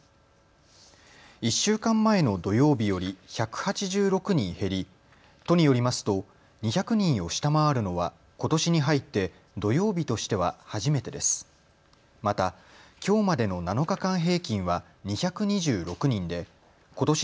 １週間前の土曜日より１８６人減り都によりますと２００人を下回るのはことしに入って土曜日としては初めてです。